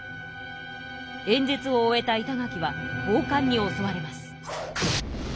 演説を終えた板垣は暴漢に襲われます。